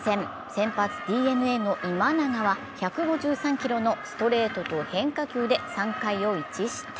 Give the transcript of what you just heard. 先発ＤｅＮＡの今永は１５３キロのストレートと変化球で３回を１失点。